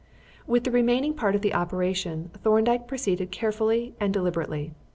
With the remaining part of the operation Thorndyke proceeded carefully and deliberately.